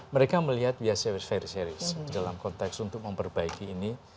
mereka melihat biasa very serious dalam konteks untuk memperbaiki ini